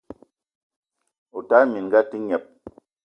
O tala minga a te gneb!